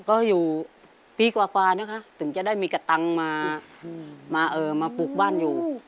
ก็อยู่ปีกว่านะคะถึงจะได้มีกระตังค์มาปลูกบ้านอยู่